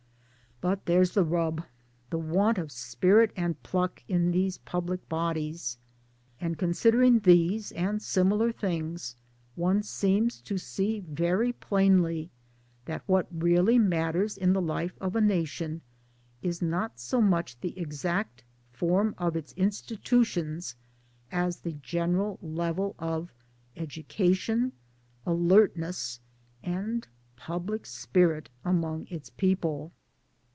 But there's the rub the want of spirit and pluck in these public bodies ; and considering these and similar things one seems to see very plainly that what really matters in the life of a nation is not so much the exact form! of its institutions as the general level of education, alertness, and public spirit among its people.